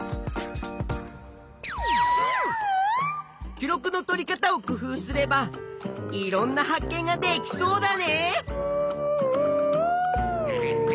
記録のとり方を工夫すればいろんな発見ができそうだね！